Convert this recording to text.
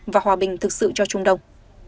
và hòa bình thực sự cho trung đông